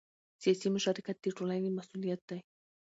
سیاسي مشارکت د ټولنې مسؤلیت دی